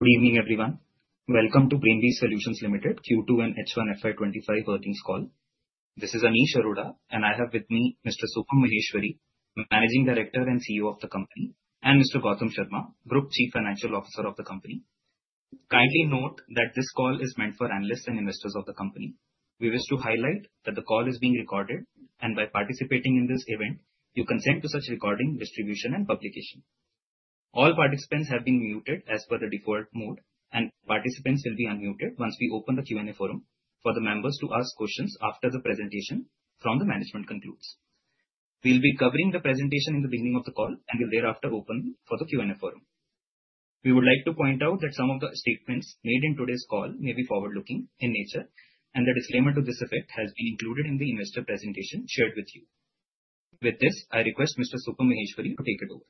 Good evening, everyone. Welcome to Brainbees Solutions Limited Q2 and H1 FY25 earnings call. This is Anish Arora, and I have with me Mr. Supam Maheshwari, Managing Director and CEO of the company, and Mr. Gautam Sharma, Group Chief Financial Officer of the company. Kindly note that this call is meant for analysts and investors of the company. We wish to highlight that the call is being recorded, and by participating in this event, you consent to such recording, distribution, and publication. All participants have been muted as per the default mode, and participants will be unmuted once we open the Q&A forum for the members to ask questions after the presentation from the management concludes. We'll be covering the presentation in the beginning of the call, and we'll thereafter open for the Q&A forum. We would like to point out that some of the statements made in today's call may be forward-looking in nature, and the disclaimer to this effect has been included in the investor presentation shared with you. With this, I request Mr. Supam Maheshwari to take it over.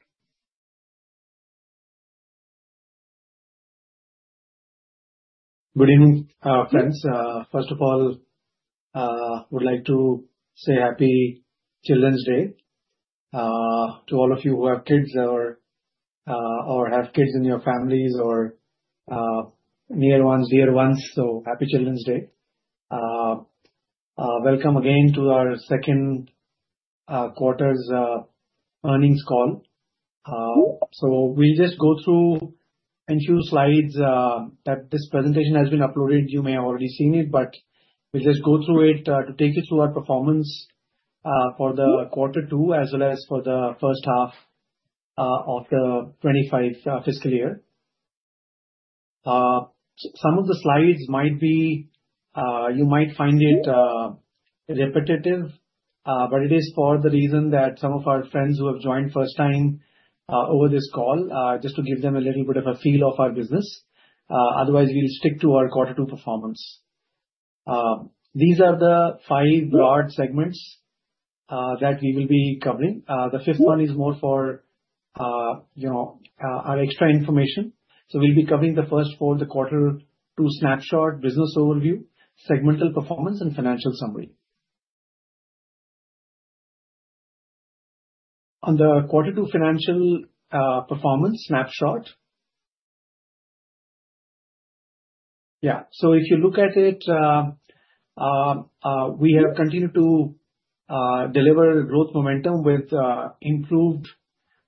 Good evening, friends. First of all, I would like to say Happy Children's Day to all of you who have kids or have kids in your families or near ones, dear ones. So, Happy Children's Day. Welcome again to our second quarter's earnings call. So we'll just go through a few slides that this presentation has been uploaded. You may have already seen it, but we'll just go through it to take you through our performance for the quarter two as well as for the first half of the 25th fiscal year. Some of the slides might be, you might find it repetitive, but it is for the reason that some of our friends who have joined first time over this call, just to give them a little bit of a feel of our business. Otherwise, we'll stick to our quarter two performance. These are the five broad segments that we will be covering. The fifth one is more for our extra information. So we'll be covering the first four: the quarter two snapshot, business overview, segmental performance, and financial summary. On the quarter two financial performance snapshot. Yeah. So if you look at it, we have continued to deliver growth momentum with improved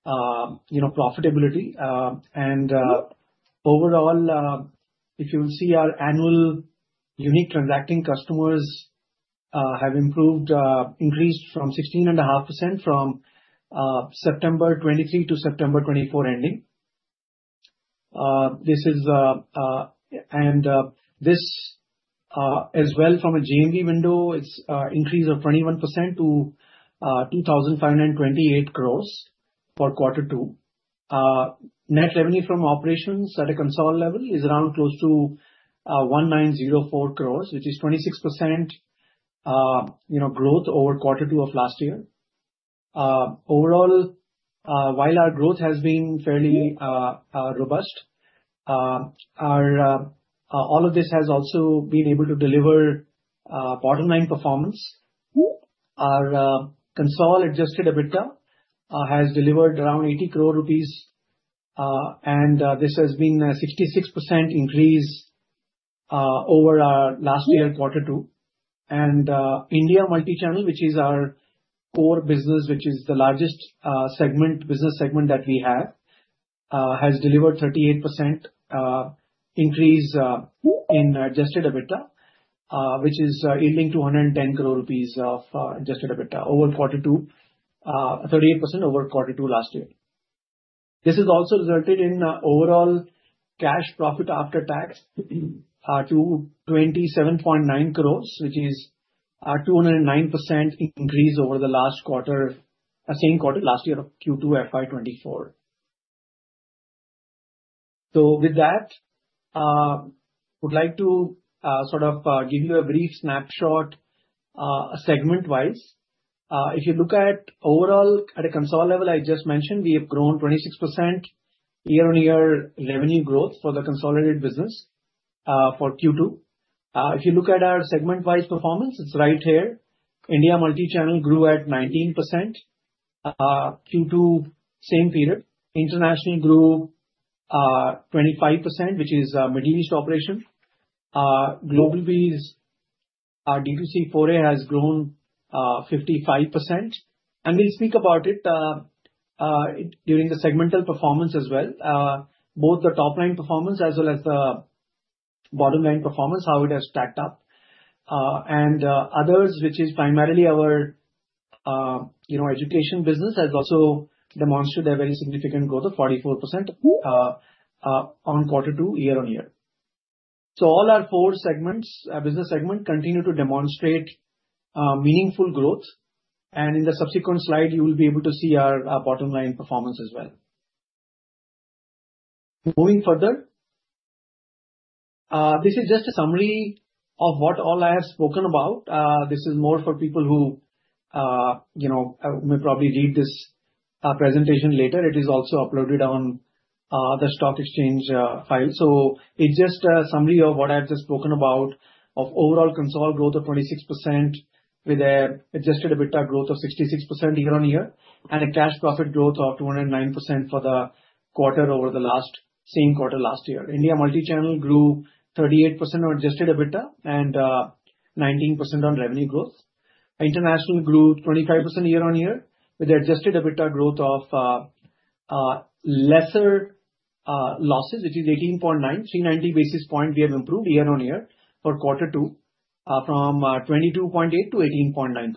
profitability. And overall, if you will see, our annual unique transacting customers have increased 16.5% from September 2023 to September 2024 ending. And this, as well from a GMV window, is an increase of 21% to 2,528 crores for quarter two. Net revenue from operations at a consolidated level is around close to 1,904 crores, which is 26% growth over quarter two of last year. Overall, while our growth has been fairly robust, all of this has also been able to deliver bottom-line performance. Our consolidated adjusted EBITDA has delivered around 80 crore rupees, and this has been a 66% increase over our last year, quarter two. India Multichannel, which is our core business, which is the largest business segment that we have, has delivered a 38% increase in adjusted EBITDA, which is yielding 210 crore rupees of adjusted EBITDA, over 38% over quarter two last year. This has also resulted in overall cash profit after tax to 27.9 crores, which is a 209% increase over the last quarter, same quarter last year of Q2 FY24. So with that, I would like to sort of give you a brief snapshot segment-wise. If you look at overall at a consolidated level, I just mentioned we have grown 26% year-on-year revenue growth for the consolidated business for Q2. If you look at our segment-wise performance, it's right here. India Multichannel grew at 19% Q2, same period. International grew 25%, which is Middle East operation. GlobalBees, D2C, 4A has grown 55%. We'll speak about it during the segmental performance as well. Both the top-line performance as well as the bottom-line performance, how it has stacked up. Others, which is primarily our education business, has also demonstrated a very significant growth of 44% on quarter two year-on-year. All our four business segments continue to demonstrate meaningful growth. In the subsequent slide, you will be able to see our bottom-line performance as well. Moving further, this is just a summary of what all I have spoken about. This is more for people who may probably read this presentation later. It is also uploaded on the stock exchange file. So it's just a summary of what I've just spoken about of overall consolidated growth of 26% with an Adjusted EBITDA growth of 66% year-on-year and a cash profit growth of 209% for the quarter over the same quarter last year. India Multichannel grew 38% on Adjusted EBITDA and 19% on revenue growth. International grew 25% year-on-year with Adjusted EBITDA growth of lesser losses, which is 18.9%. 390 basis points we have improved year-on-year for quarter two from 22.8% to 18.9%.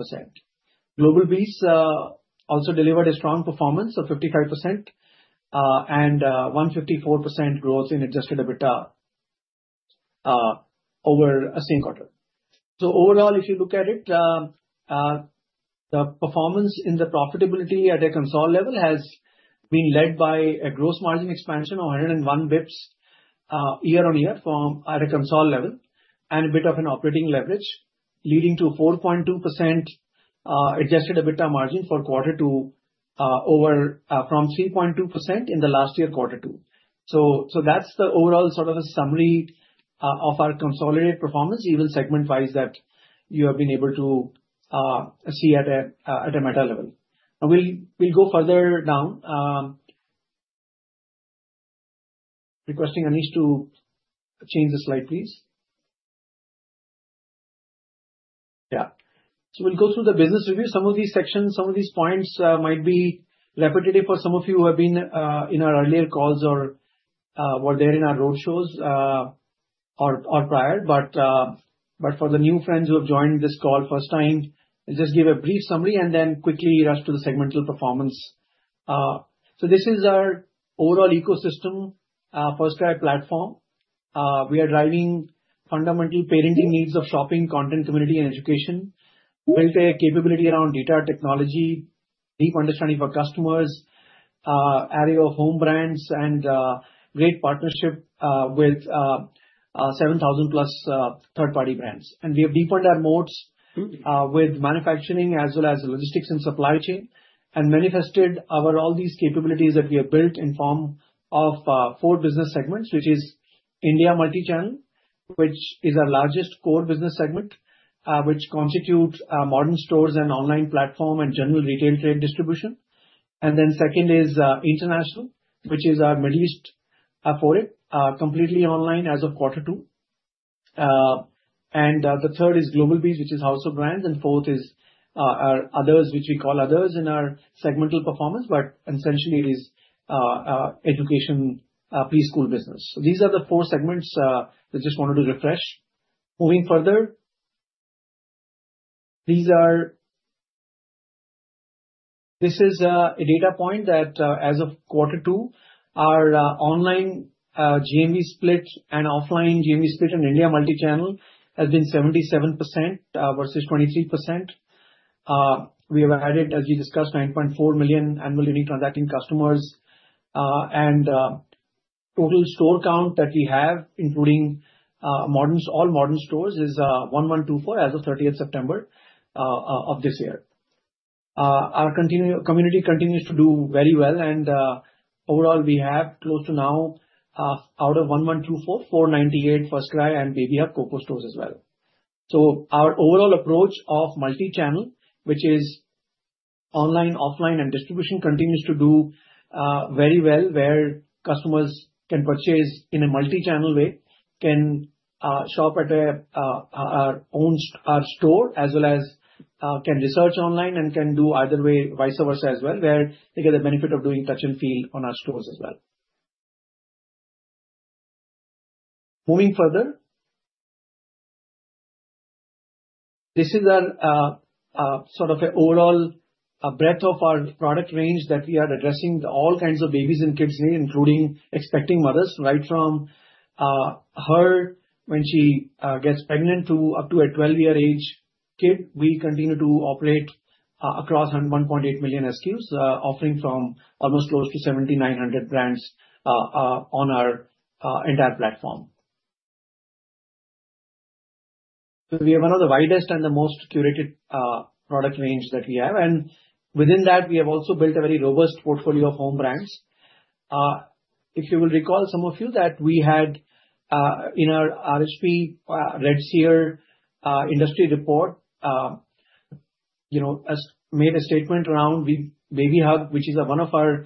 GlobalBees also delivered a strong performance of 55% and 154% growth in Adjusted EBITDA over the same quarter. So overall, if you look at it, the performance in the profitability at a consolidated level has been led by a gross margin expansion of 101 basis points year-on-year at a consolidated level and a bit of an operating leverage, leading to 4.2% Adjusted EBITDA margin for quarter two from 3.2% in the last year quarter two. So that's the overall sort of a summary of our consolidated performance, even segment-wise, that you have been able to see at a meta level. We'll go further down. Requesting Anish to change the slide, please. Yeah. So we'll go through the business review. Some of these sections, some of these points might be repetitive for some of you who have been in our earlier calls or were there in our roadshows or prior. But for the new friends who have joined this call for the first time, I'll just give a brief summary and then quickly rush to the segmental performance. So this is our overall ecosystem, FirstCry platform. We are driving fundamental parenting needs of shopping, content, community, and education. Built a capability around data technology, deep understanding for customers, our own brands, and great partnership with 7,000-plus third-party brands. And we have deepened our moats with manufacturing as well as logistics and supply chain and manifested all these capabilities that we have built in the form of four business segments, which is India multi-channel, which is our largest core business segment, which constitutes modern stores and online platform and general retail trade distribution. And then second is international, which is our Middle East footprint, completely online as of quarter two. And the third is GlobalBees, which is house of brands. And fourth is our others, which we call others in our segmental performance. But essentially, it is education preschool business. So these are the four segments I just wanted to refresh. Moving further, this is a data point that as of quarter two, our online GMV split and offline GMV split in Indian multichannel has been 77% versus 23%. We have added, as we discussed, 9.4 million annual unique transacting customers. And total store count that we have, including all modern stores, is 1,124 as of 30th September of this year. Our community continues to do very well. And overall, we have close to now, out of 1,124, 498 FirstCry and BabyHug COCO stores as well. So our overall approach of multichannel, which is online, offline, and distribution, continues to do very well, where customers can purchase in a multichannel way, can shop at our own store as well as can research online and can do either way, vice versa as well, where they get the benefit of doing touch and feel on our stores as well. Moving further, this is sort of an overall breadth of our product range that we are addressing all kinds of babies and kids need, including expecting mothers right from her when she gets pregnant to up to a 12-year-old kid. We continue to operate across 1.8 million SKUs, offering from almost close to 7,900 brands on our entire platform. We are one of the widest and the most curated product range that we have. And within that, we have also built a very robust portfolio of home brands. If you will recall, some of you that we had in our Redseer industry report made a statement around BabyHug, which is one of our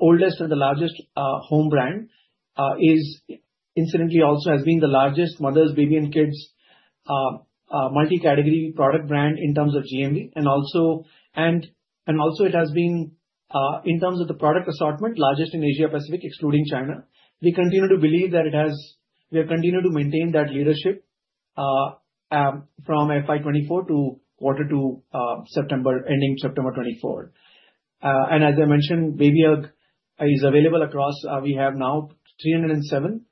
oldest and the largest own brand. Incidentally, it also has been the largest mothers, baby, and kids multi-category product brand in terms of GMV. And also it has been, in terms of the product assortment, largest in Asia-Pacific, excluding China. We continue to believe that it has. We have continued to maintain that leadership from FY24 to quarter two, ending September 2024. And as I mentioned, BabyHug is available across. We have now 307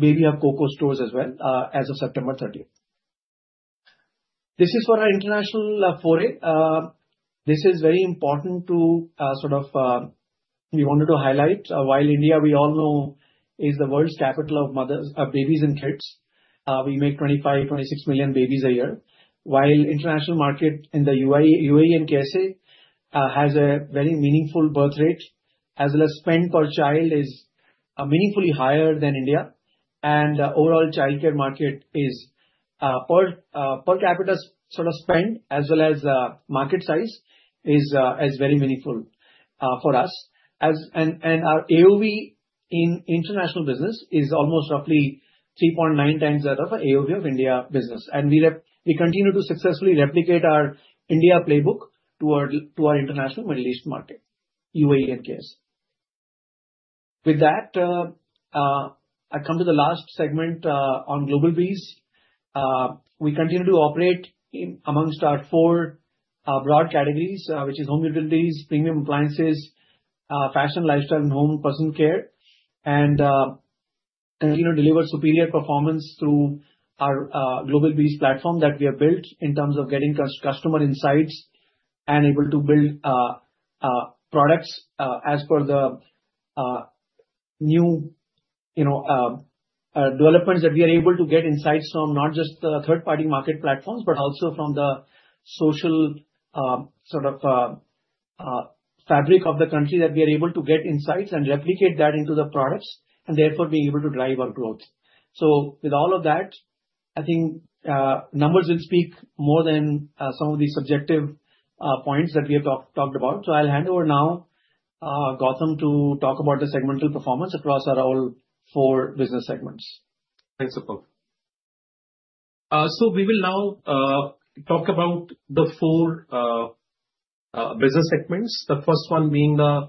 BabyHug COCO stores as of September 30th. This is for our international foray. This is very important to sort of. We wanted to highlight while India, we all know, is the world's capital of babies and kids. We make 25, 26 million babies a year. While the international market in the UAE and KSA has a very meaningful birth rate, as well as spend per child is meaningfully higher than India, and overall, the childcare market is per capita sort of spend, as well as market size, is very meaningful for us. And our AOV in international business is almost roughly 3.9 times that of AOV of India business, and we continue to successfully replicate our India playbook toward our international Middle East market, UAE and KSA. With that, I come to the last segment on Global Bees. We continue to operate amongst our four broad categories, which are home utilities, premium appliances, fashion, lifestyle, and home personal care, and continue to deliver superior performance through our Global Bees platform that we have built in terms of getting customer insights and able to build products as per the new developments that we are able to get insights from not just the third-party market platforms, but also from the social fabric of the country that we are able to get insights and replicate that into the products and therefore be able to drive our growth. So with all of that, I think numbers will speak more than some of the subjective points that we have talked about. So I'll hand over now, Gautam, to talk about the segmental performance across our four business segments. So we will now talk about the four business segments, the first one being the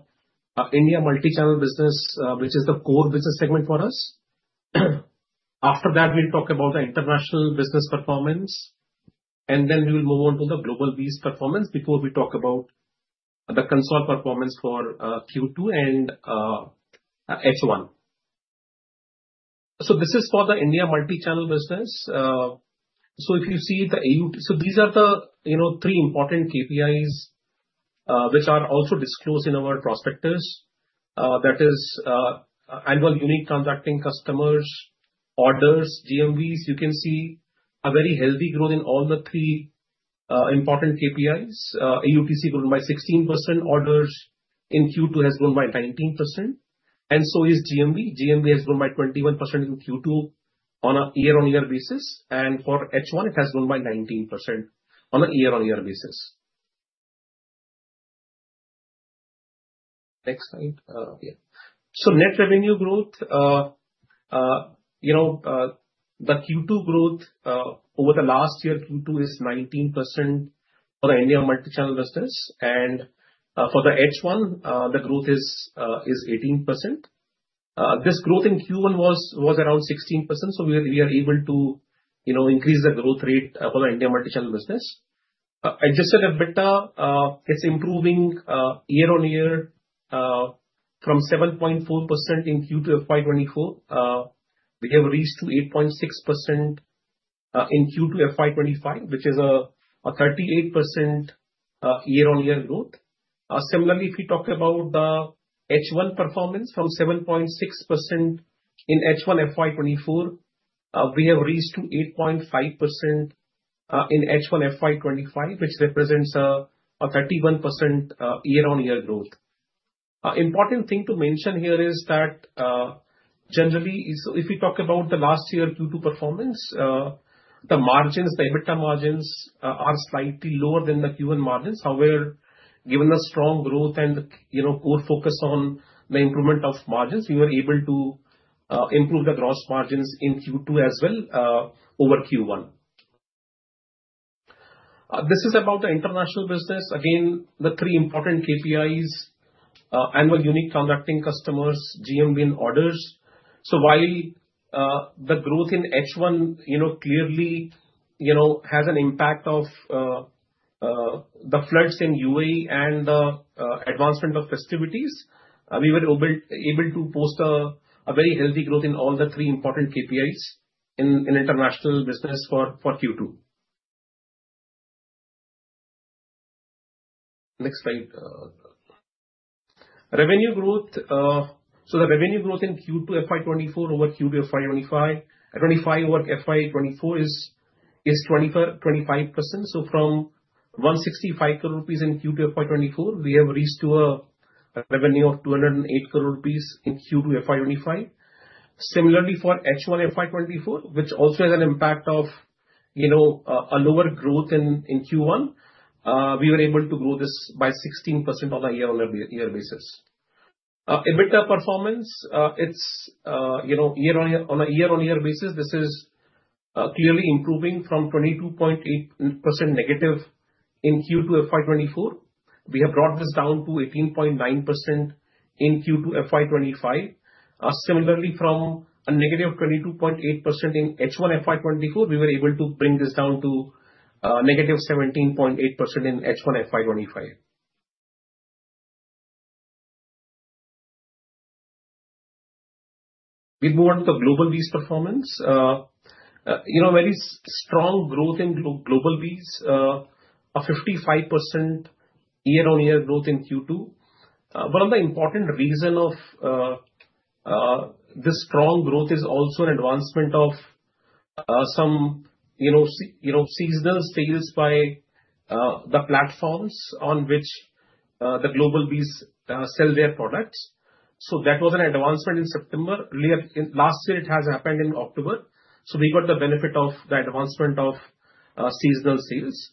India Multichannel business, which is the core business segment for us. After that, we'll talk about the international business performance. And then we will move on to the GlobalBees performance before we talk about the consolidated performance for Q2 and H1. So this is for the India Multichannel business. So if you see, these are the three important KPIs which are also disclosed in our prospectus. That is annual unique transacting customers, orders, GMVs. You can see a very healthy growth in all the three important KPIs. AUTC grew by 16%. Orders in Q2 have grown by 19%. And so is GMV. GMV has grown by 21% in Q2 on a year-on-year basis. And for H1, it has grown by 19% on a year-on-year basis. Next slide. So, net revenue growth: the Q2 growth over the last year, Q2 is 19% for the India Multichannel business. And for the H1, the growth is 18%. This growth in Q1 was around 16%. So we are able to increase the growth rate for the India Multichannel business. Adjusted EBITDA: it's improving year-on-year from 7.4% in Q2 FY24. We have reached 8.6% in Q2 FY25, which is a 38% year-on-year growth. Similarly, if we talk about the H1 performance from 7.6% in H1 FY24, we have reached 8.5% in H1 FY25, which represents a 31% year-on-year growth. Important thing to mention here is that generally, if we talk about the last year Q2 performance, the margins, the EBITDA margins are slightly lower than the Q1 margins. However, given the strong growth and core focus on the improvement of margins, we were able to improve the gross margins in Q2 as well over Q1. This is about the international business. Again, the three important KPIs: annual unique transacting customers, GMV in orders. So while the growth in H1 clearly has an impact of the floods in UAE and the advancement of festivities, we were able to post a very healthy growth in all the three important KPIs in international business for Q2. Next slide. Revenue growth. So the revenue growth in Q2 FY25 over Q2 FY24 is 25%. So from 165 crore rupees in Q2 FY24, we have reached to a revenue of 208 crore rupees in Q2 FY25. Similarly, for H1 FY24, which also has an impact of a lower growth in Q1, we were able to grow this by 16% on a year-on-year basis. EBITDA performance, it's year-on-year on a year-on-year basis. This is clearly improving from 22.8% negative in Q2 FY24. We have brought this down to 18.9% in Q2 FY25. Similarly, from a negative 22.8% in H1 FY24, we were able to bring this down to negative 17.8% in H1 FY25. We'll move on to the GlobalBees performance. Very strong growth in GlobalBees, a 55% year-on-year growth in Q2. One of the important reasons of this strong growth is also an advancement of some seasonal sales by the platforms on which the GlobalBees sell their products. So that was an advancement in September. Last year, it has happened in October. So we got the benefit of the advancement of seasonal sales.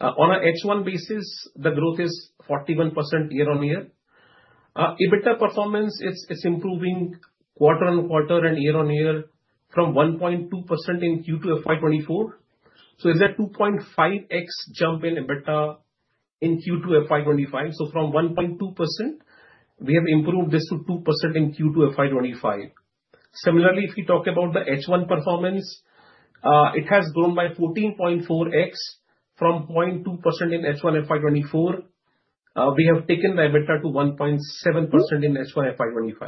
On an H1 basis, the growth is 41% year-on-year. EBITDA performance, it's improving quarter on quarter and year-on-year from 1.2% in Q2 FY24. So it's a 2.5x jump in EBITDA in Q2 FY25. So from 1.2%, we have improved this to 2% in Q2 FY25. Similarly, if we talk about the H1 performance, it has grown by 14.4x from 0.2% in H1 FY24. We have taken the EBITDA to 1.7% in H1 FY25.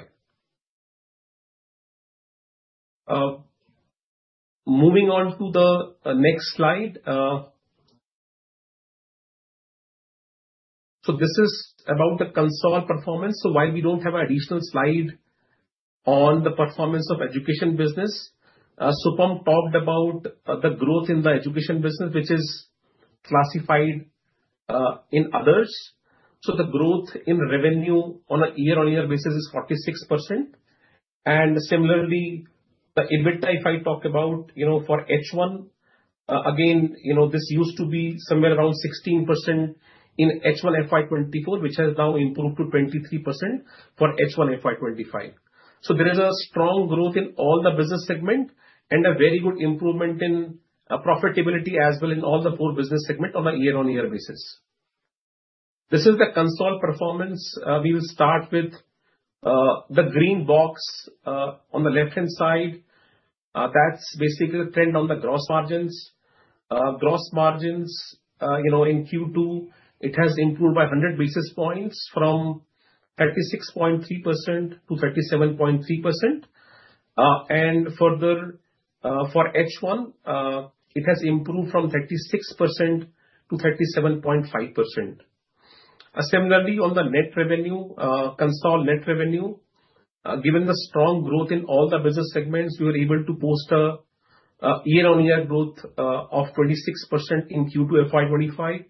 Moving on to the next slide. So this is about the consolidated performance. So while we don't have an additional slide on the performance of education business, Supam talked about the growth in the education business, which is classified in others. So the growth in revenue on a year-on-year basis is 46%. Similarly, the EBITDA, if I talk about for H1, again, this used to be somewhere around 16% in H1 FY24, which has now improved to 23% for H1 FY25. There is a strong growth in all the business segment and a very good improvement in profitability as well in all the four business segments on a year-on-year basis. This is the consolidated performance. We will start with the green box on the left-hand side. That's basically the trend on the gross margins. Gross margins in Q2, it has improved by 100 basis points from 36.3%-37.3%. Further, for H1, it has improved from 36%-37.5%. Similarly, on the net revenue, consolidated net revenue, given the strong growth in all the business segments, we were able to post a year-on-year growth of 26% in Q2 FY25.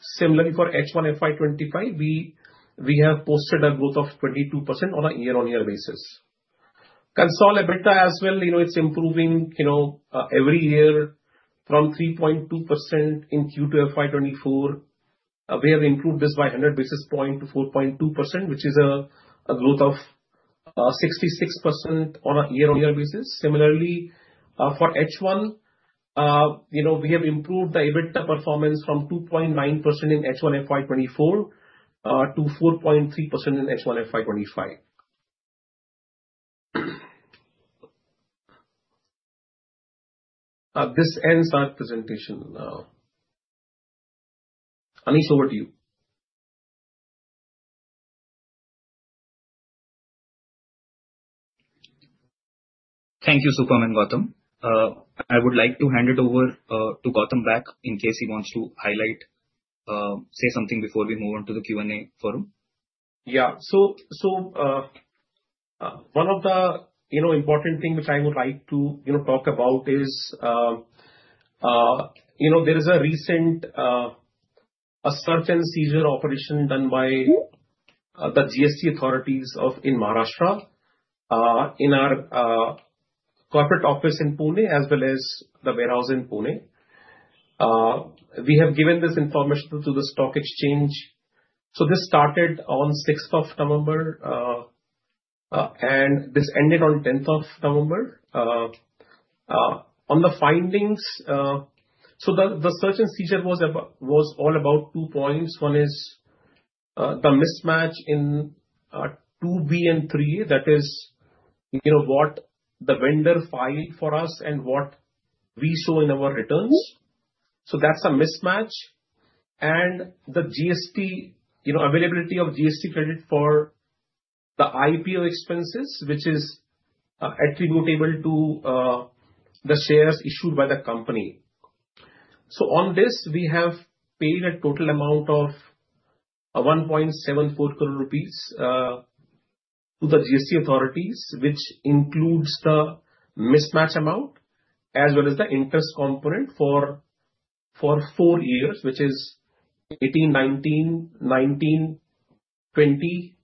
Similarly, for H1 FY25, we have posted a growth of 22% on a year-on-year basis. Consolidated EBITDA as well, it's improving every year from 3.2% in Q2 FY24. We have improved this by 100 basis points to 4.2%, which is a growth of 66% on a year-on-year basis. Similarly, for H1, we have improved the EBITDA performance from 2.9% in H1 FY24 to 4.3% in H1 FY25. This ends our presentation. Anish, over to you. Thank you, Supam and Gautam. I would like to hand it over to Gautam back in case he wants to highlight, say something before we move on to the Q&A forum. Yeah. So one of the important things which I would like to talk about is there is a recent search and seizure operation done by the GST authorities in Maharashtra in our corporate office in Pune as well as the warehouse in Pune. We have given this information to the stock exchange. So this started on 6th of November, and this ended on 10th of November. On the findings, so the search and seizure was all about two points. One is the mismatch in 2B and 3A. That is what the vendor filed for us and what we show in our returns. So that's a mismatch. And the availability of GST credit for the IPO expenses, which is attributable to the shares issued by the company. So on this, we have paid a total amount of 1.74 crore rupees to the GST authorities, which includes the mismatch amount as well as the interest component for four years, which is 2018-19, 2019-20,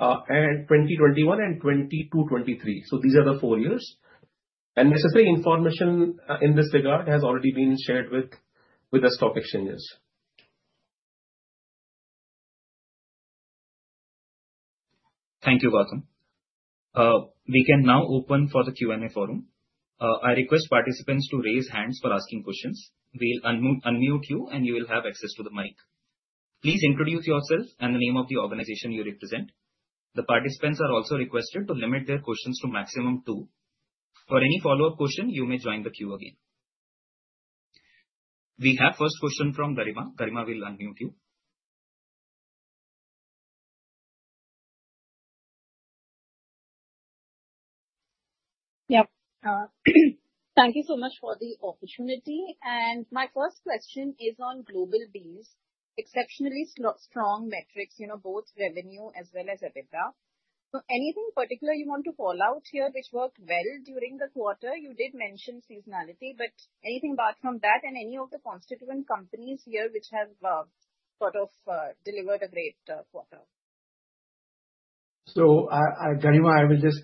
and 2021-22, 2022-23. So these are the four years. And necessary information in this regard has already been shared with the stock exchanges. Thank you, Gautam. We can now open for the Q&A forum. I request participants to raise hands for asking questions. We'll unmute you, and you will have access to the mic. Please introduce yourself and the name of the organization you represent. The participants are also requested to limit their questions to maximum two. For any follow-up question, you may join the queue again. We have first question from Garima. Garima, we'll unmute you. Yeah. Thank you so much for the opportunity. And my first question is on Global Bees, exceptionally strong metrics, both revenue as well as EBITDA. So anything particular you want to call out here which worked well during the quarter? You did mention seasonality, but anything apart from that and any of the constituent companies here which have sort of delivered a great quarter? So Garima, I will just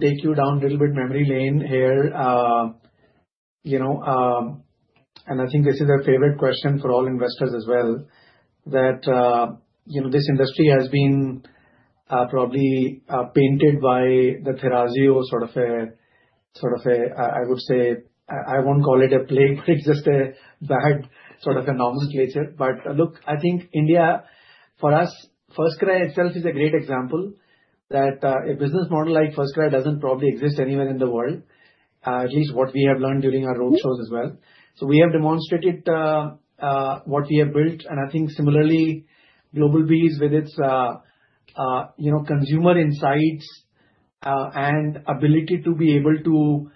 take you down a little bit memory lane here. And I think this is a favorite question for all investors as well, that this industry has been probably painted by the Thrasio sort of a sort of a, I would say, I won't call it a plague, but it's just a bad sort of a nomenclature. But look, I think India, for us, FirstCry itself is a great example that a business model like FirstCry doesn't probably exist anywhere in the world, at least what we have learned during our roadshows as well. So we have demonstrated what we have built. And I think similarly, GlobalBees with its consumer insights and ability to be able to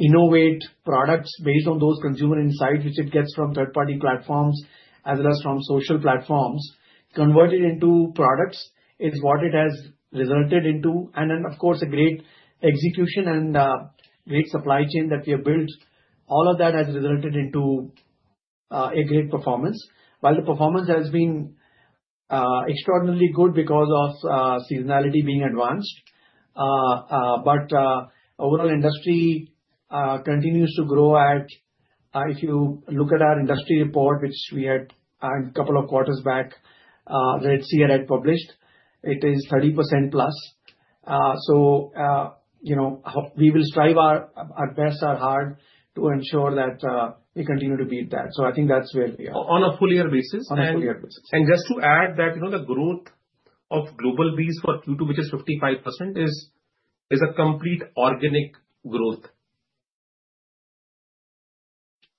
innovate products based on those consumer insights, which it gets from third-party platforms as well as from social platforms, converted into products is what it has resulted into. And then, of course, a great execution and great supply chain that we have built, all of that has resulted into a great performance. While the performance has been extraordinarily good because of seasonality being advanced, but overall industry continues to grow at, if you look at our industry report, which we had a couple of quarters back that CRF published, it is 30% plus. So we will strive our best, our hard to ensure that we continue to beat that. So I think that's where we are. On a full year basis. On a full year basis. And just to add that the growth of Global Bees for Q2, which is 55%, is a complete organic growth.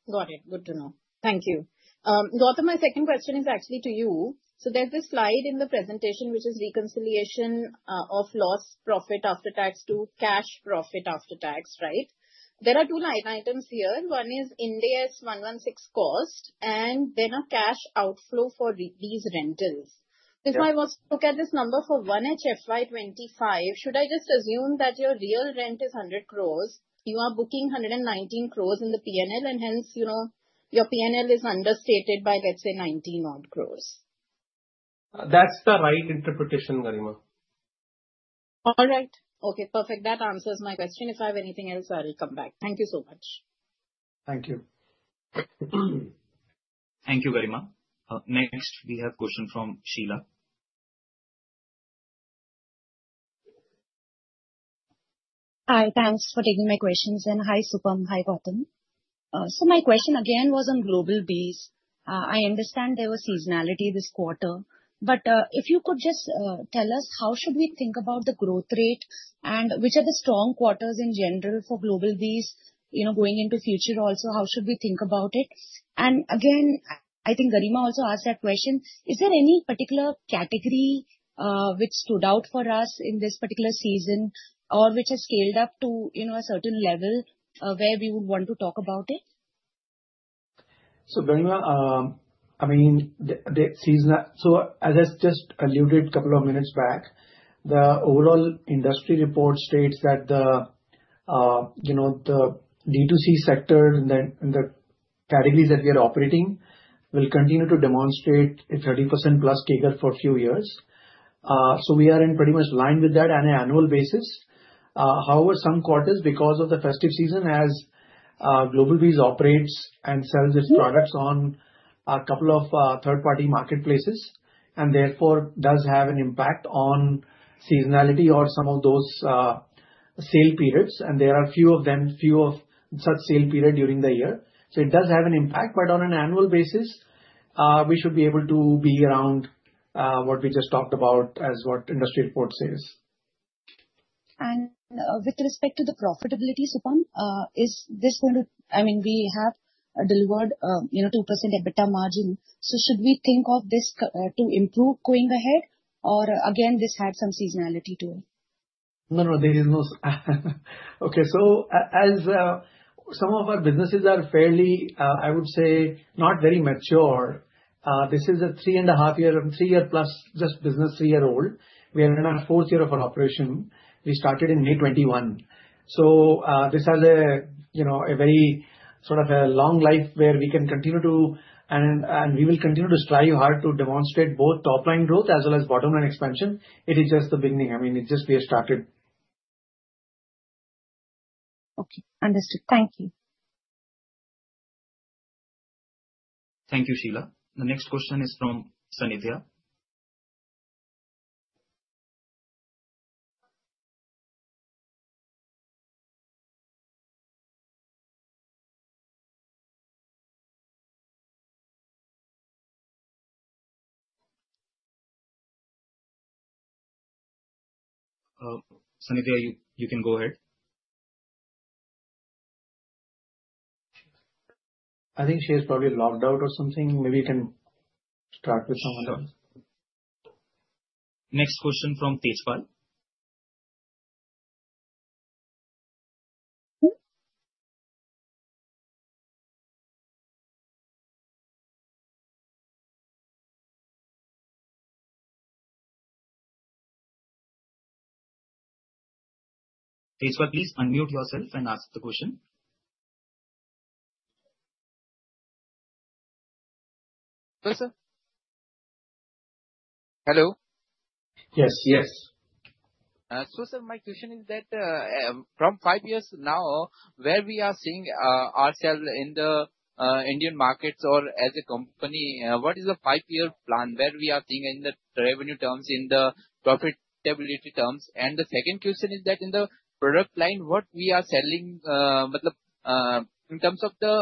Got it. Good to know. Thank you. Gautam, my second question is actually to you. So there's this slide in the presentation which is reconciliation of loss profit after tax to cash profit after tax, right? There are two line items here. One is Ind AS 116 cost and then a cash outflow for these rentals. If I was to look at this number for 1H FY25, should I just assume that your real rent is 100 crores? You are booking 119 crores in the P&L, and hence your P&L is understated by, let's say, 19 odd crores. That's the right interpretation, Garima. All right. Okay. Perfect. That answers my question. If I have anything else, I'll come back. Thank you so much. Thank you. Thank you, Garima. Next, we have a question from Sheila. Hi, thanks for taking my questions. And hi, Supam. Hi, Gautam. So my question again was on GlobalBees. I understand there was seasonality this quarter, but if you could just tell us how should we think about the growth rate and which are the strong quarters in general for GlobalBees going into future also, how should we think about it? And again, I think Garima also asked that question. Is there any particular category which stood out for us in this particular season or which has scaled up to a certain level where we would want to talk about it? So Garima, I mean, so as I just alluded a couple of minutes back, the overall industry report states that the D2C sector and the categories that we are operating will continue to demonstrate a 30% plus CAGR for a few years. So we are in pretty much line with that on an annual basis. However, some quarters, because of the festive season, as GlobalBees operates and sells its products on a couple of third-party marketplaces and therefore does have an impact on seasonality or some of those sale periods. And there are few of them, few of such sale period during the year. So it does have an impact, but on an annual basis, we should be able to be around what we just talked about as what industry report says. And with respect to the profitability, Supam, is this going to, I mean, we have delivered 2% EBITDA margin. So should we think of this to improve going ahead? Or again, this had some seasonality to it? No, no, there is no. Okay. So as some of our businesses are fairly, I would say, not very mature, this is a three-and-a-half-year, three-year-plus just business, three-year-old. We are in our fourth year of our operation. We started in May 2021. So this has a very sort of a long life where we can continue to, and we will continue to strive hard to demonstrate both top-line growth as well as bottom-line expansion. It is just the beginning. I mean, it just we have started. Okay. Understood. Thank you. Thank you, Sheila. The next question is from Sanithya. Sanithya, you can go ahead. I think she is probably logged out or something. Maybe you can start with someone else. Next question from Tejpal. Tejpal, please unmute yourself and ask the question. Yes, sir. Hello? Yes, yes. So, sir, my question is that from five years now, where we are seeing ourselves in the Indian markets or as a company, what is the five-year plan? Where we are seeing in the revenue terms, in the profitability terms? And the second question is that in the product line, what we are selling, in terms of the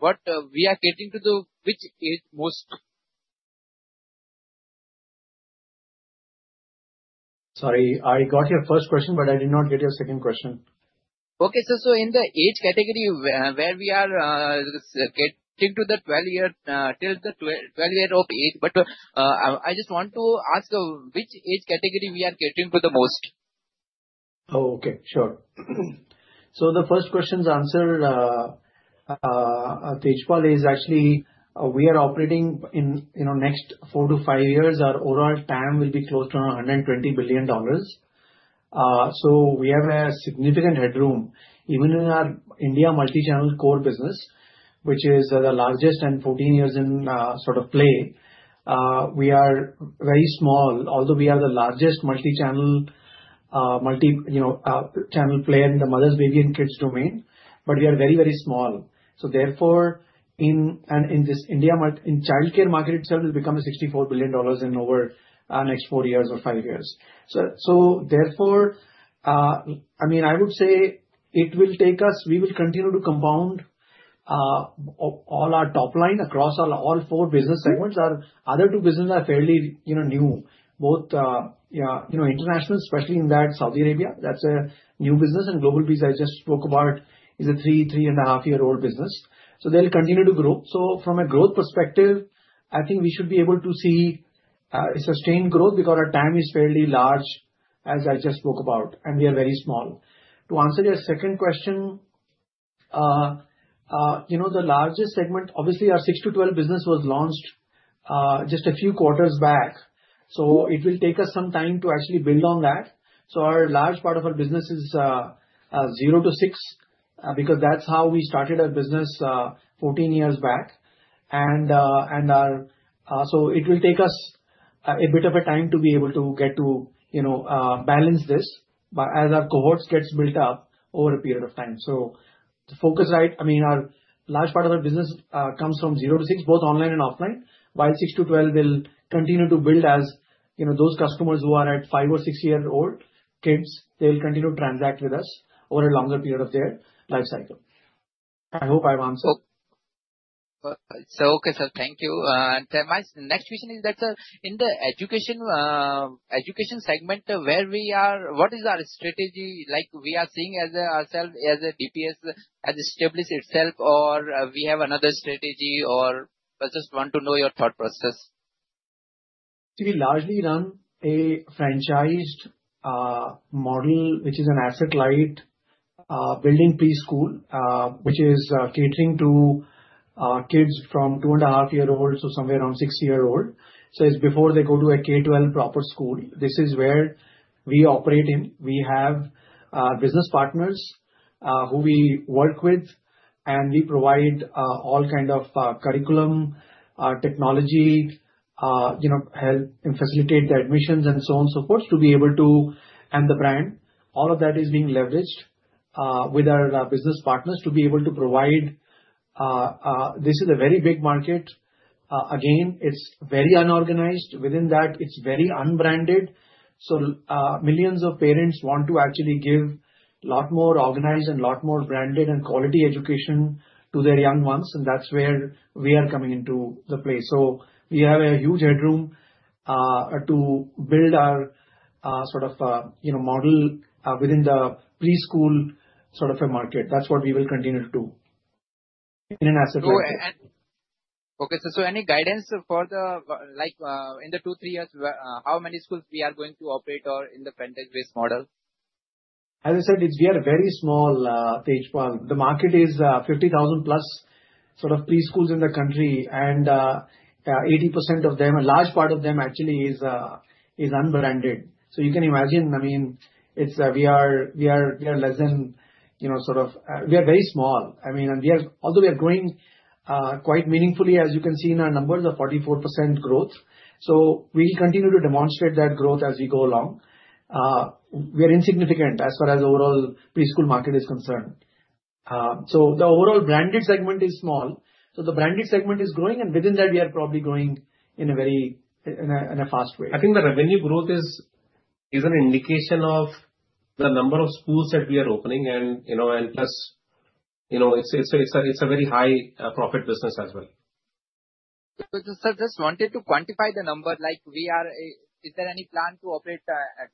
what we are getting to the which age most? Sorry, I got your first question, but I did not get your second question. Okay, sir. So in the age category where we are getting to the 12-year till the 12-year of age, but I just want to ask which age category we are getting to the most. Oh, okay. Sure. So the first question's answer, Tejpal, is actually we are operating in next four to five years, our overall time will be close to $120 billion. So we have a significant headroom. Even in our India multi-channel core business, which is the largest and 14 years in sort of play, we are very small. Although we are the largest multi-channel player in the mother's baby and kids domain, but we are very, very small. So therefore, in this India childcare market itself, it will become $64 billion in over the next four years or five years. So therefore, I mean, I would say it will take us, we will continue to compound all our top line across all four business segments. Our other two businesses are fairly new, both international, especially in that Saudi Arabia. That's a new business. And GlobalBees, I just spoke about, is a three, three-and-a-half-year-old business. So they'll continue to grow. So from a growth perspective, I think we should be able to see sustained growth because our TAM is fairly large, as I just spoke about, and we are very small. To answer your second question, the largest segment, obviously, our 6 to 12 business was launched just a few quarters back. So it will take us some time to actually build on that. So our large part of our business is 0 to 6 because that's how we started our business 14 years back. And so it will take us a bit of a time to be able to get to balance this as our cohorts gets built up over a period of time. So the focus, right, I mean, our large part of our business comes from 0 to 6, both online and offline, while 6 to 12 will continue to build as those customers who are at five or six-year-old kids, they'll continue to transact with us over a longer period of their life cycle. I hope I've answered. So okay, sir, thank you. And my next question is that, sir, in the education segment, where we are, what is our strategy like we are seeing as ourself as a DPS has established itself, or we have another strategy, or I just want to know your thought process. We largely run a franchised model, which is an asset-light building preschool, which is catering to kids from two and a half-year-olds to somewhere around six-year-old. So it's before they go to a K-12 proper school. This is where we operate in. We have business partners who we work with, and we provide all kinds of curriculum, technology, help facilitate the admissions and so on and so forth to be able to, and the brand. All of that is being leveraged with our business partners to be able to provide. This is a very big market. Again, it's very unorganized. Within that, it's very unbranded. Millions of parents want to actually give a lot more organized and a lot more branded and quality education to their young ones. And that's where we are coming into the place. We have a huge headroom to build our sort of model within the preschool sort of a market. That's what we will continue to do in an asset-light. Okay, sir. So any guidance for the in the two, three years, how many schools we are going to operate or in the franchise-based model? As I said, we are very small, Tejpal. The market is 50,000-plus sort of preschools in the country, and 80% of them, a large part of them actually is unbranded. So you can imagine, I mean, we are less than sort of we are very small. I mean, and although we are growing quite meaningfully, as you can see in our numbers, a 44% growth. So we will continue to demonstrate that growth as we go along. We are insignificant as far as the overall preschool market is concerned. So the overall branded segment is small. So the branded segment is growing, and within that, we are probably growing in a very fast way. I think the revenue growth is an indication of the number of schools that we are opening and plus, it's a very high-profit business as well. Sir, just wanted to quantify the number. Is there any plan to operate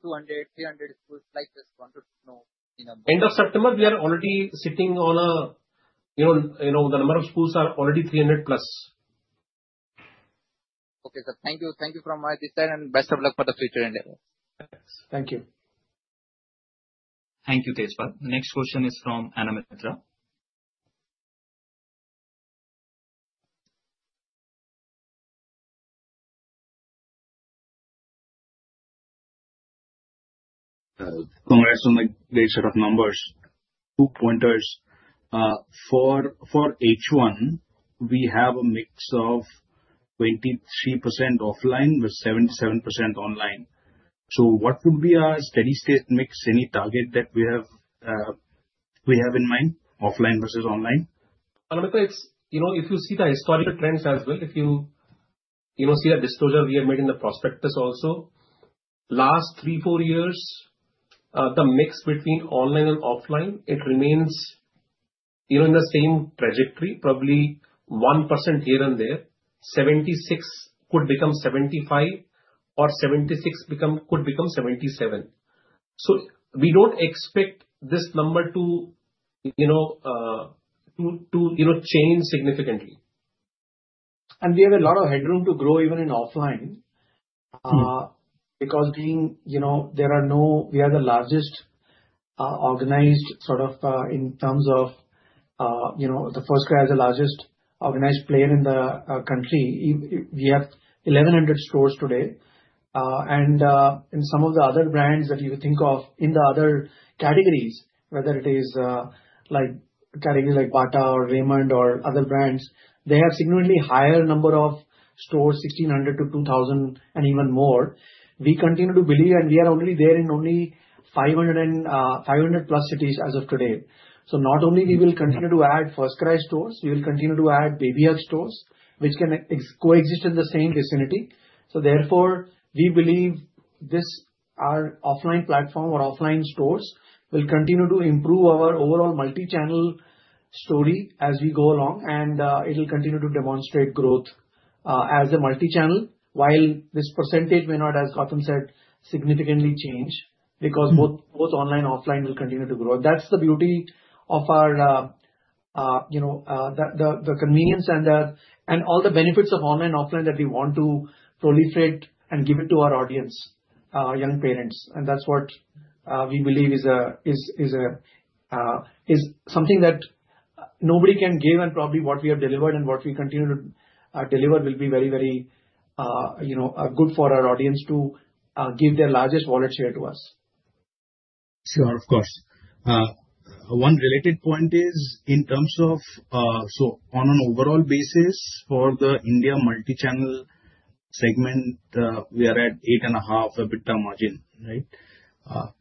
200, 300 schools like this? Want to know. End of September, we are already sitting on the number of schools are already 300-plus. Okay, sir. Thank you. Thank you from my side and best of luck for the future. Thanks. Thank you. Thank you, Tejpal. Next question is from Annamithra. Congrats on the great set of numbers. Two pointers. For H1, we have a mix of 23% offline with 77% online. So what would be our steady-state mix, any target that we have in mind, offline versus online? If you see the historical trends as well, if you see the disclosure we have made in the prospectus also, last three, four years, the mix between online and offline, it remains in the same trajectory, probably 1% here and there. 76% could become 75% or 76% could become 77%. So we don't expect this number to change significantly. And we have a lot of headroom to grow even in offline because we are the largest organized sort of in terms of the FirstCry as the largest organized player in the country. We have 1,100 stores today. And in some of the other brands that you think of in the other categories, whether it is categories like Bata or Raymond or other brands, they have significantly higher number of stores, 1,600-2,000 and even more. We continue to believe, and we are already there in only 500-plus cities as of today. So not only will we continue to add FirstCry stores, we will continue to add BabyHug stores, which can coexist in the same vicinity. So therefore, we believe this our offline platform or offline stores will continue to improve our overall multi-channel story as we go along, and it will continue to demonstrate growth as a multi-channel while this percentage may not, as Gautam said, significantly change because both online and offline will continue to grow. That's the beauty of our convenience and all the benefits of online and offline that we want to proliferate and give it to our audience, young parents. And that's what we believe is something that nobody can give, and probably what we have delivered and what we continue to deliver will be very, very good for our audience to give their largest wallet share to us. Sure, of course. One related point is in terms of so on an overall basis for the India multi-channel segment, we are at 8.5% EBITDA margin, right?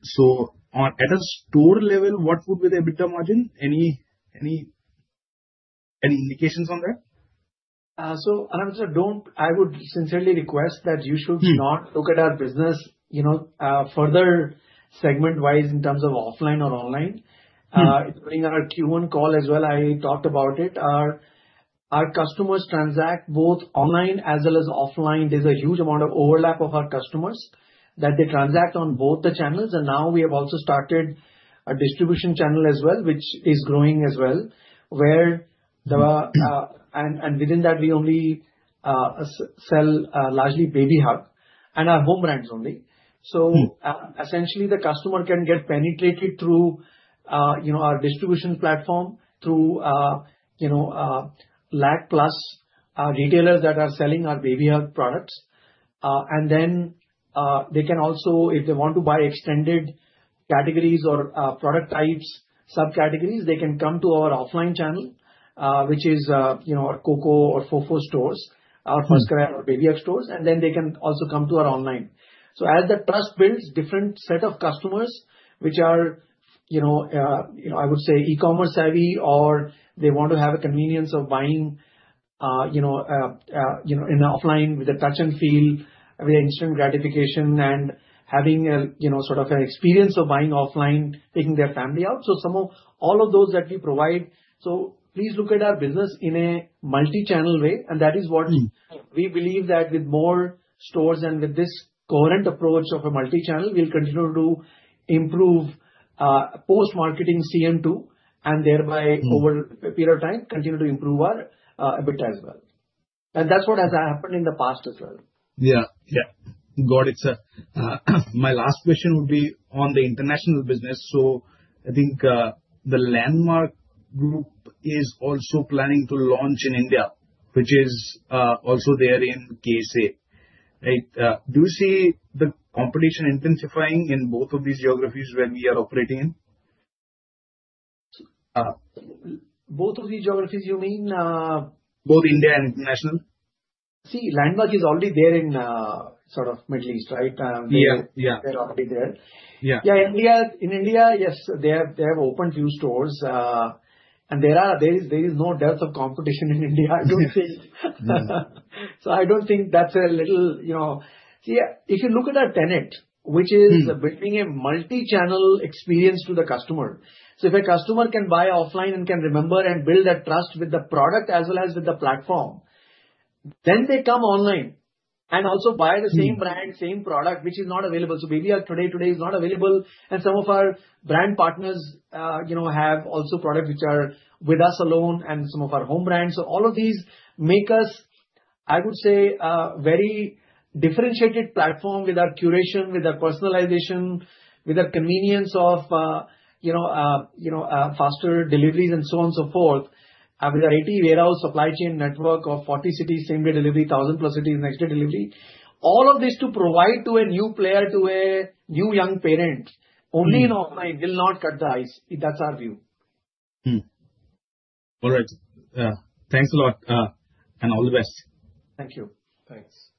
So at a store level, what would be the EBITDA margin? Any indications on that? So Annamithra, I would sincerely request that you should not look at our business further segment-wise in terms of offline or online. During our Q1 call as well, I talked about it. Our customers transact both online as well as offline. There's a huge amount of overlap of our customers that they transact on both the channels. And now we have also started a distribution channel as well, which is growing as well, where the and within that, we only sell largely BabyHug and our home brands only. So essentially, the customer can get penetrated through our distribution platform through LAC plus retailers that are selling our BabyHug products. And then they can also, if they want to buy extended categories or product types, subcategories, they can come to our offline channel, which is our COCO or FOFO stores, our FirstCry or BabyHug stores, and then they can also come to our online. So as the trust builds different set of customers, which are, I would say, e-commerce savvy, or they want to have a convenience of buying in offline with a touch and feel, with an instant gratification, and having sort of an experience of buying offline, taking their family out. So all of those that we provide. So please look at our business in a multi-channel way. And that is what we believe that with more stores and with this current approach of a multi-channel, we'll continue to improve post-marketing CM2 and thereby, over a period of time, continue to improve our EBITDA as well. And that's what has happened in the past as well. Yeah, yeah. Got it, sir. My last question would be on the international business. So I think the Landmark Group is also planning to launch in India, which is also there in KSA. Right? Do you see the competition intensifying in both of these geographies where we are operating in? Both of these geographies, you mean? Both India and international? See, Landmark is already there in sort of Middle East, right? Yeah. They're already there. Yeah. In India, yes, they have opened a few stores. And there is no depth of competition in India, I don't think. So I don't think that's a little see, if you look at our tenet, which is building a multi-channel experience to the customer. So if a customer can buy offline and can remember and build that trust with the product as well as with the platform, then they come online and also buy the same brand, same product, which is not available. So BabyHug today, today is not available. And some of our brand partners have also products which are with us alone and some of our home brands. So all of these make us, I would say, a very differentiated platform with our curation, with our personalization, with our convenience of faster deliveries and so on and so forth. With our 80 warehouse supply chain network of 40 cities, same-day delivery, 1,000-plus cities, next-day delivery. All of this to provide to a new player, to a new young parent, only in offline will not cut the ice. That's our view. All right. Thanks a lot. And all the best. Thank you. Thanks.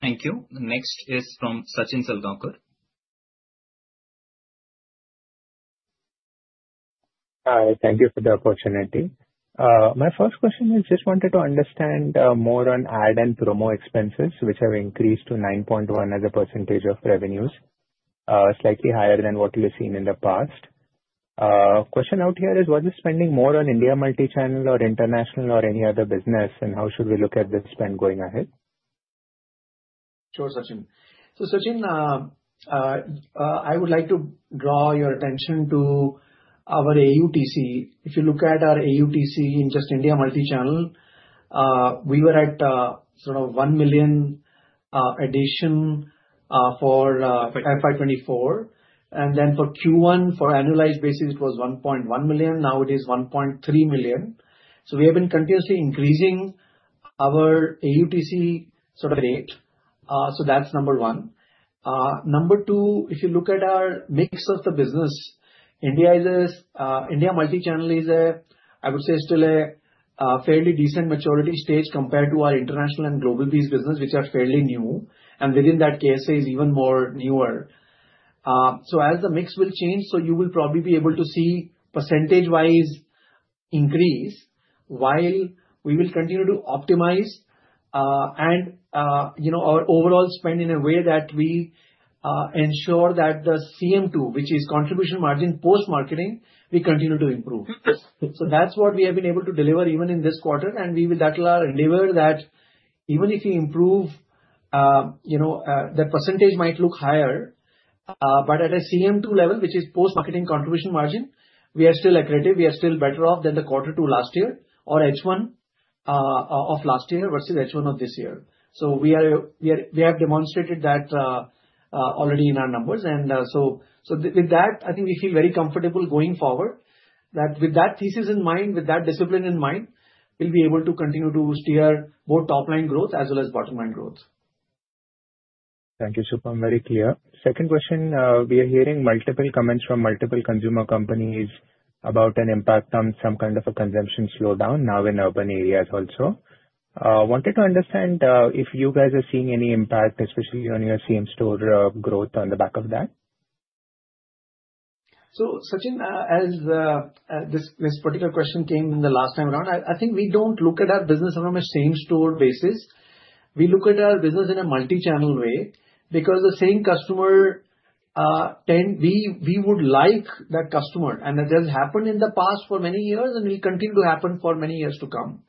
Thank you. Next is from Sachin Salgaonkar. Hi. Thank you for the opportunity. My first question is just wanted to understand more on ad and promo expenses, which have increased to 9.1% of revenues, slightly higher than what we have seen in the past. The question out here is, what is spending more on India multi-channel or international or any other business, and how should we look at this spend going ahead? Sure, Sachin. So Sachin, I would like to draw your attention to our AUTC. If you look at our AUTC in just India multi-channel, we were at sort of one million addition for FY24. And then for Q1, for annualized basis, it was 1.1 million. Now it is 1.3 million. So we have been continuously increasing our AUTC sort of rate. So that's number one. Number two, if you look at our mix of the business, India multi-channel is a, I would say, still a fairly decent maturity stage compared to our international and global-based business, which are fairly new. And within that, KSA is even more newer. So as the mix will change, so you will probably be able to see percentage-wise increase while we will continue to optimize and our overall spend in a way that we ensure that the CM2, which is contribution margin post-marketing, we continue to improve. So that's what we have been able to deliver even in this quarter. And we will endeavor that even if we improve, the percentage might look higher. But at a CM2 level, which is post-marketing contribution margin, we are still accretive. We are still better off than the quarter two last year or H1 of last year versus H1 of this year, so we have demonstrated that already in our numbers, and so with that, I think we feel very comfortable going forward that with that thesis in mind, with that discipline in mind, we'll be able to continue to steer both top-line growth as well as bottom-line growth. Thank you, Supam. Very clear. Second question, we are hearing multiple comments from multiple consumer companies about an impact on some kind of a consumption slowdown now in urban areas also, wanted to understand if you guys are seeing any impact, especially on your same store growth on the back of that. So Sachin, as this particular question came in the last time around, I think we don't look at our business from a same store basis. We look at our business in a multi-channel way because the same customer we would like that customer. And that has happened in the past for many years and will continue to happen for many years to come.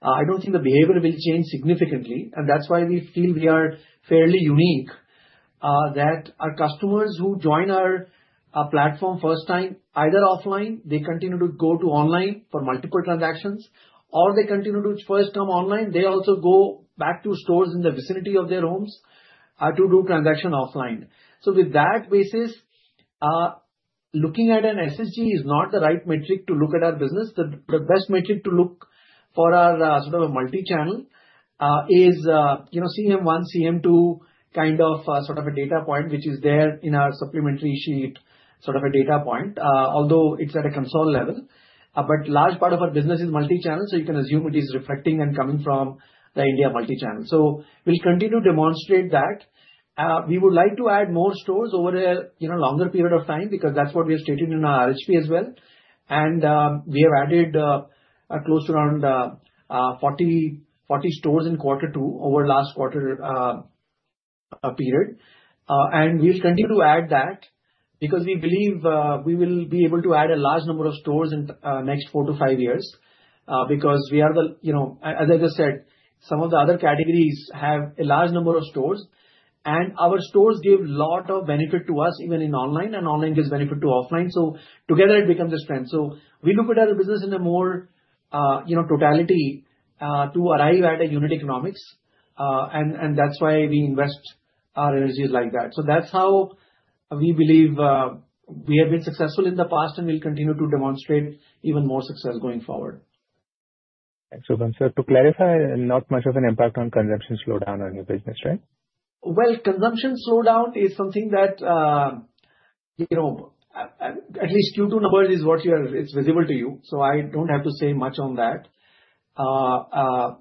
I don't think the behavior will change significantly. And that's why we feel we are fairly unique that our customers who join our platform first time, either offline, they continue to go to online for multiple transactions, or they continue to first come online, they also go back to stores in the vicinity of their homes to do transaction offline. So with that basis, looking at an SSG is not the right metric to look at our business. The best metric to look for our sort of a multi-channel is CM1, CM2 kind of sort of a data point, which is there in our supplementary sheet sort of a data point, although it's at a consolidated level. But large part of our business is multi-channel, so you can assume it is reflecting and coming from the Indian multi-channel. So we'll continue to demonstrate that. We would like to add more stores over a longer period of time because that's what we have stated in our RHP as well. And we have added close to around 40 stores in quarter two over last quarter period. And we will continue to add that because we believe we will be able to add a large number of stores in the next four to five years because we are the, as I just said, some of the other categories have a large number of stores. And our stores give a lot of benefit to us even in online, and online gives benefit to offline. So together, it becomes a strength. So we look at our business in a more totality to arrive at a unit economics. And that's why we invest our energies like that. So that's how we believe we have been successful in the past, and we'll continue to demonstrate even more success going forward. Excellent. So to clarify, not much of an impact on consumption slowdown on your business, right? Well, consumption slowdown is something that at least Q2 numbers is what it's visible to you. So I don't have to say much on that.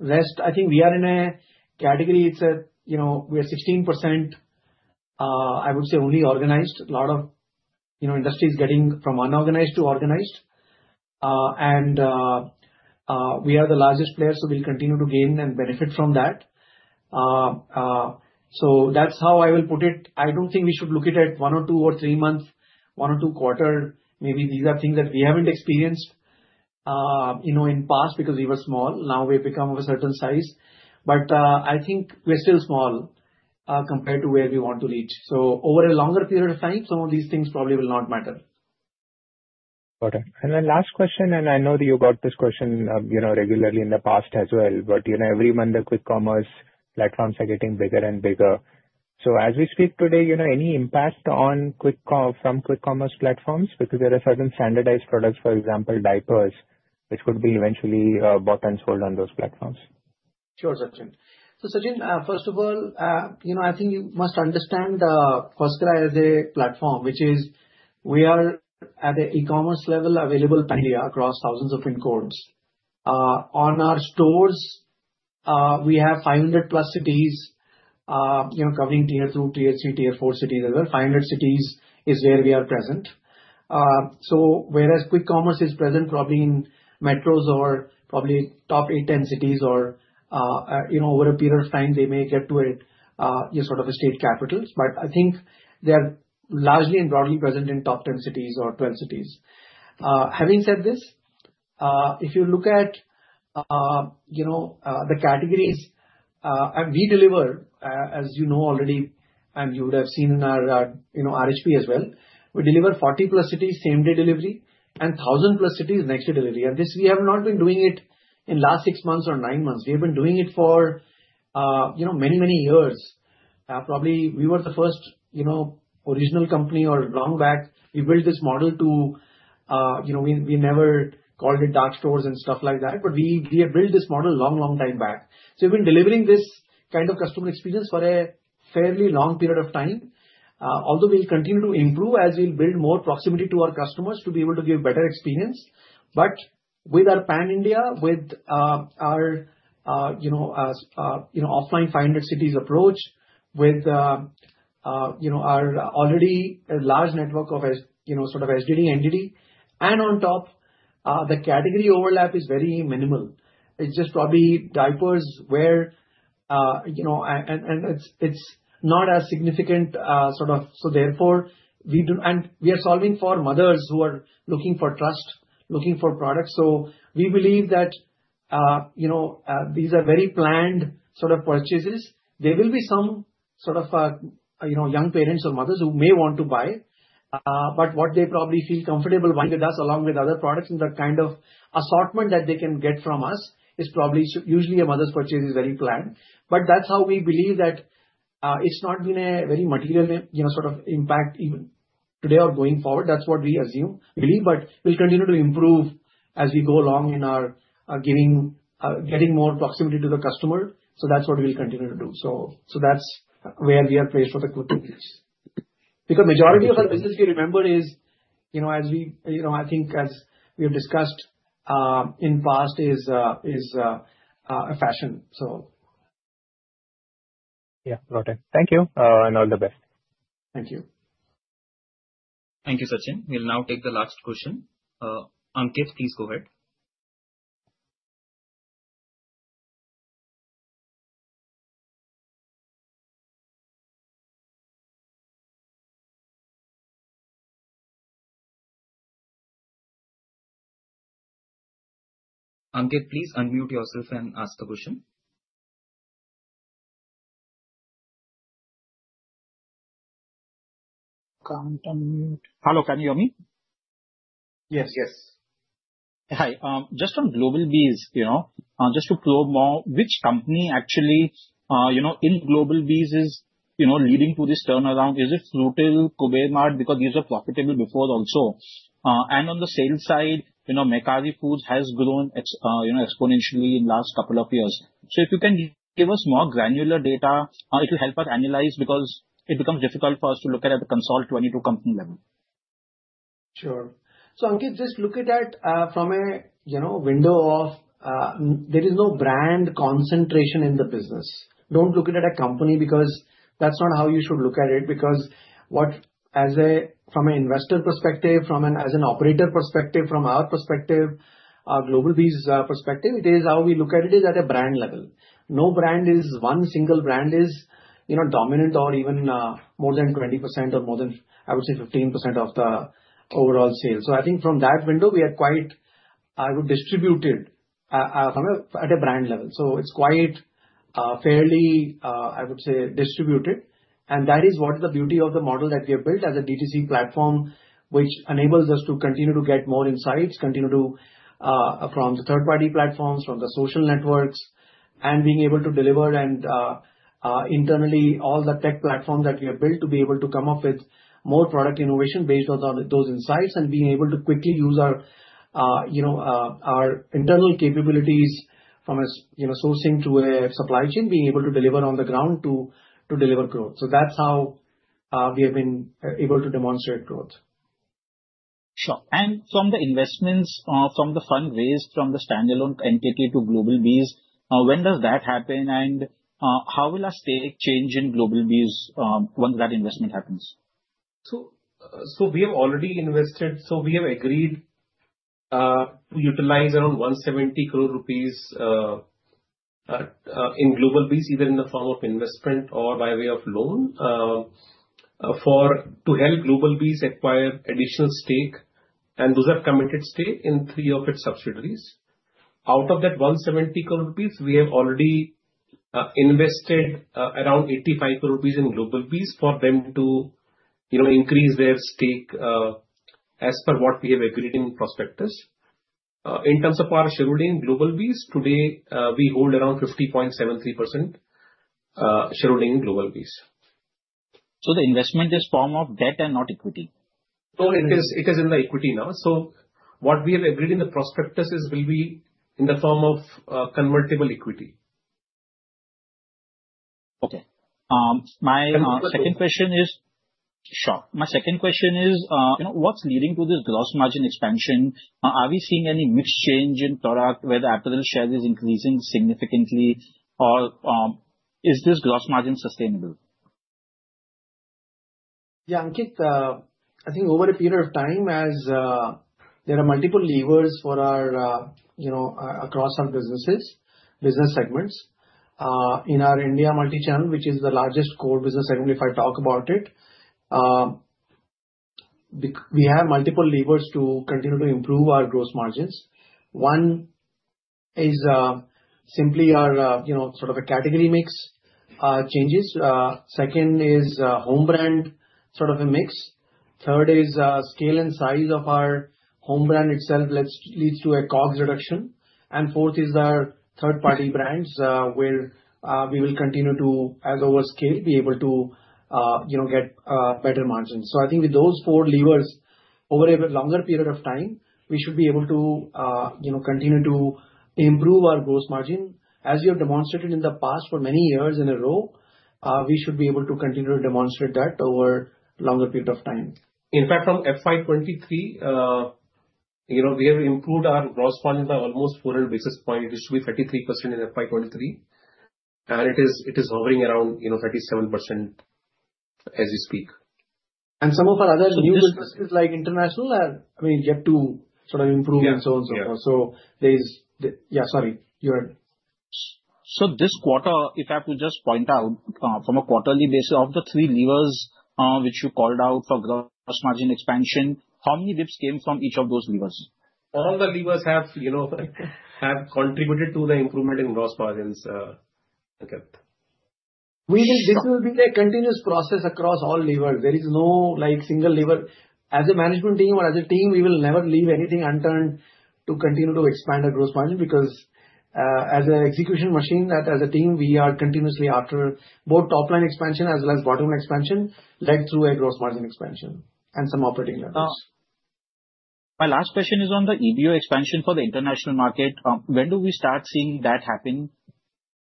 Rest, I think we are in a category. It's a we are 16%, I would say, only organized. A lot of industry is getting from unorganized to organized. And we are the largest player, so we'll continue to gain and benefit from that. So that's how I will put it. I don't think we should look at it one or two or three months, one or two quarter. Maybe these are things that we haven't experienced in past because we were small. Now we have become of a certain size. But I think we're still small compared to where we want to reach. So over a longer period of time, some of these things probably will not matter. Got it. And then last question, and I know that you got this question regularly in the past as well, but every month, the quick commerce platforms are getting bigger and bigger. So as we speak today, any impact from quick commerce platforms because there are certain standardized products, for example, diapers, which could be eventually bought and sold on those platforms? Sure, Sachin. So Sachin, first of all, I think you must understand FirstCry as a platform, which is we are at an e-commerce level available across thousands of PIN codes. On our stores, we have 500-plus cities covering tier two, tier three, tier four cities as well. 500 cities is where we are present. So whereas quick commerce is present probably in metros or probably top 8, 10 cities or over a period of time, they may get to a sort of a state capital. I think they're largely and broadly present in top 10 cities or 12 cities. Having said this, if you look at the categories, we deliver, as you know already, and you would have seen in our RHP as well, we deliver 40-plus cities, same-day delivery, and 1,000-plus cities next-day delivery. And this, we have not been doing it in the last six months or nine months. We have been doing it for many, many years. Probably we were the first original company or long back. We built this model to we never called it dark stores and stuff like that, but we have built this model a long, long time back. So we've been delivering this kind of customer experience for a fairly long period of time. Although we'll continue to improve as we'll build more proximity to our customers to be able to give better experience. But with our pan-India, with our offline 500 cities approach, with our already large network of sort of SDD entity, and on top, the category overlap is very minimal. It's just probably diapers where and it's not as significant sort of. So therefore, we are solving for mothers who are looking for trust, looking for products. So we believe that these are very planned sort of purchases. There will be some sort of young parents or mothers who may want to buy. But what they probably feel comfortable buying with us along with other products in the kind of assortment that they can get from us is probably usually a mother's purchase is very planned. But that's how we believe that it's not been a very material sort of impact even today or going forward. That's what we assume. Believe, but we'll continue to improve as we go along in our getting more proximity to the customer. So that's what we'll continue to do. So that's where we are placed for the quick companies. Because majority of our business, if you remember, is as I think as we have discussed in past is a fashion, so. Yeah. Got it. Thank you. And all the best. Thank you. Thank you, Sachin. We'll now take the last question. Ankit, please go ahead. Ankit, please unmute yourself and ask the question. Can't unmute. Hello. Can you hear me? Yes. Yes. Hi. Just on Global Bees, just to close more, which company actually in Global Bees is leading to this turnaround? Is it Fruit ill, Kobe Mart? Because these are profitable before also. And on the sales side, Mekazi Foods has grown exponentially in the last couple of years. So if you can give us more granular data, it will help us analyze because it becomes difficult for us to look at the consolidated company level. Sure. So Ankit, just look at it from a window of there is no brand concentration in the business. Don't look at it at a company because that's not how you should look at it. Because from an investor perspective, from an operator perspective, from our perspective, our Global Bees perspective, it is how we look at it is at a brand level. No brand is one single brand is dominant or even more than 20% or more than, I would say, 15% of the overall sales. So I think from that window, we are quite diversified at a brand level. So it's quite fairly, I would say, distributed. And that is what is the beauty of the model that we have built as a D2C platform, which enables us to continue to get more insights, continue to from the third-party platforms, from the social networks, and being able to deliver and internally all the tech platforms that we have built to be able to come up with more product innovation based on those insights and being able to quickly use our internal capabilities from sourcing to a supply chain, being able to deliver on the ground to deliver growth. So that's how we have been able to demonstrate growth. Sure. And from the investments, from the fund raised from the standalone entity to GlobalBees, when does that happen? And how will our stake change in GlobalBees once that investment happens? So we have already invested. We have agreed to utilize around 170 crore rupees in GlobalBees, either in the form of investment or by way of loan to help GlobalBees acquire additional stake. And those are committed stake in three of its subsidiaries. Out of that 170 crore rupees, we have already invested around 85 crore rupees in GlobalBees for them to increase their stake as per what we have agreed in prospectus. In terms of our shareholding in Global Bees, today, we hold around 50.73% shareholding in Global Bees. So the investment is form of debt and not equity? No, it is in the equity now. So what we have agreed in the prospectus will be in the form of convertible equity. Okay. My second question is sure. My second question is, what's leading to this gross margin expansion? Are we seeing any mix change in product, whether apparel share is increasing significantly, or is this gross margin sustainable? Yeah, Ankit, I think over a period of time, as there are multiple levers across our businesses, business segments. In our India multi-channel, which is the largest core business segment if I talk about it, we have multiple levers to continue to improve our gross margins. One is simply our sort of a category mix changes. Second is home brand sort of a mix. Third is scale and size of our home brand itself leads to a COGS reduction. And fourth is our third-party brands where we will continue to, as we scale, be able to get better margins. So I think with those four levers, over a longer period of time, we should be able to continue to improve our gross margin. As you have demonstrated in the past for many years in a row, we should be able to continue to demonstrate that over a longer period of time. In fact, from FY23, we have improved our gross margin by almost 400 basis points. It used to be 33% in FY23, and it is hovering around 37% as we speak, and some of our other new businesses like international have yet to sort of improve and so on and so forth, so this quarter, if I have to just point out from a quarterly basis of the three levers which you called out for gross margin expansion, how many dips came from each of those levers? All the levers have contributed to the improvement in gross margins, Ankit. This will be a continuous process across all levers. There is no single lever. As a management team or as a team, we will never leave anything unturned to continue to expand our gross margin because as an execution machine, as a team, we are continuously after both top-line expansion as well as bottom-line expansion led through a gross margin expansion and some operating levels. My last question is on the EBO expansion for the international market. When do we start seeing that happen?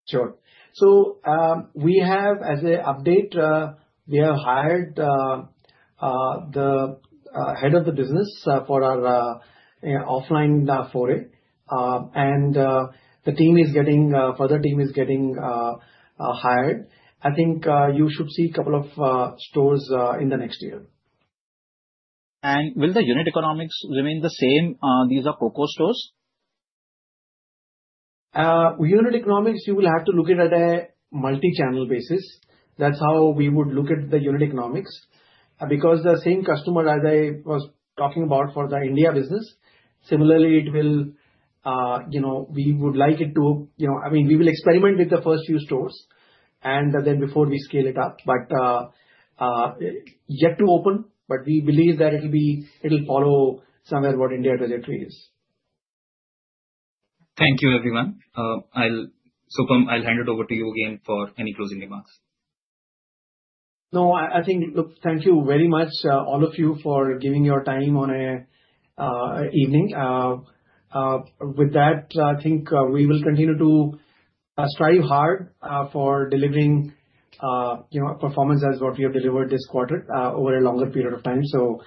Sure. So as an update, we have hired the head of the business for our offline foray. And the team is getting hired. I think you should see a couple of stores in the next year. And will the unit economics remain the same? These are COCO stores? Unit economics, you will have to look at it at a multi-channel basis. That's how we would look at the unit economics. Because the same customer as I was talking about for the India business, similarly, we would like it to I mean, we will experiment with the first few stores and then before we scale it up. But yet to open, but we believe that it will follow somewhere what India trajectory is. Thank you, everyone. Supam, I'll hand it over to you again for any closing remarks. No, I think, look, thank you very much, all of you, for giving your time on an evening. With that, I think we will continue to strive hard for delivering performance as what we have delivered this quarter over a longer period of time. So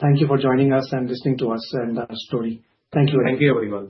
thank you for joining us and listening to us and our story. Thank you very much. Thank you, everyone.